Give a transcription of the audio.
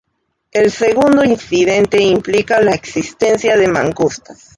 El segundo incidente implica la existencia de mangostas.